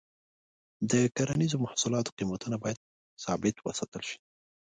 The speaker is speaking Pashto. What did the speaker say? د کرنیزو محصولاتو قیمتونه باید ثابت وساتل شي.